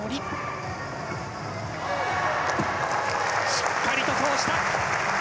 しっかりと通した。